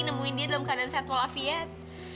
nemuin dia dalam keadaan sehat pola fiat